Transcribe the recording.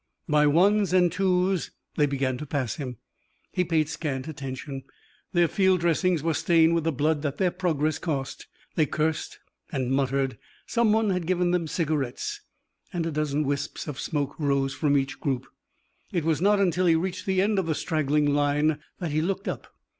By ones and twos they began to pass him. He paid scant attention. Their field dressings were stained with the blood that their progress cost. They cursed and muttered. Someone had given them cigarettes, and a dozen wisps of smoke rose from each group. It was not until he reached the end of the straggling line that he looked up.